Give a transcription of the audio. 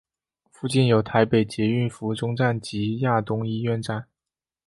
附近有台北捷运府中站及亚东医院站。